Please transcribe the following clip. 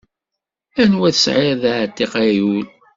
Anwa tesɛiḍ d aɛtiq ay ul!